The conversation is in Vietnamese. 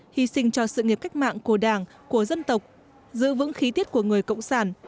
hy sinh cho sự nghiệp cách mạng của đảng của dân tộc giữ vững khí tiết của người cộng sản